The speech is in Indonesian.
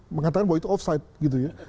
mengatakan bahwa itu off site gitu ya